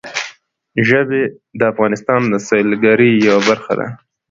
ژبې د افغانستان د سیلګرۍ یوه برخه ده.